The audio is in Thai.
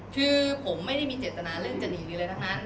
คือผมไม่ได้มีเจตนาเรื่องจะหนีอะไรทั้งนั้น